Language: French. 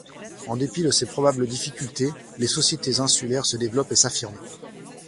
En dépit de ces probables difficultés, les sociétés insulaires se développent et s’affirment.